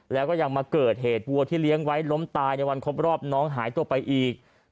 แล้วก็ยังมาเกิดเหตุวัวที่เลี้ยงไว้ล้มตายในวันครบรอบน้องหายตัวไปอีก